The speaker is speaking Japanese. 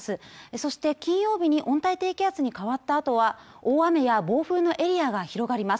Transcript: そして金曜日に温帯低気圧に変わったあとは大雨や暴風のエリアが広がります